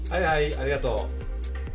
ありがとう。